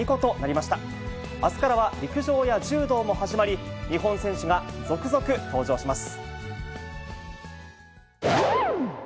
あすからは陸上や柔道も始まり、日本選手が続々登場します。